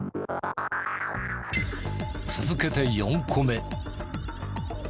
続けて４個目。